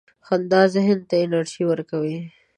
• خندا ذهن ته انرژي ورکوي.